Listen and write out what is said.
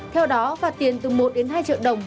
theo đó phạt tiền từ một hai triệu đồng